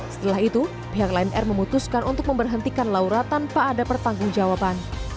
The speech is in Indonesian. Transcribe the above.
setelah itu pihak lion air memutuskan untuk memberhentikan laura tanpa ada pertanggung jawaban